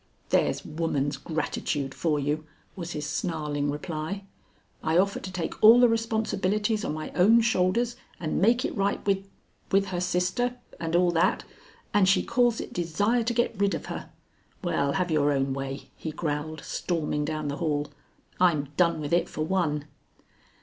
"There's woman's gratitude for you," was his snarling reply. "I offer to take all the responsibilities on my own shoulders and make it right with with her sister, and all that, and she calls it desire to get rid of her. Well, have your own way," he growled, storming down the hall; "I'm done with it for one."